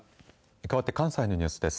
かわって関西のニュースです。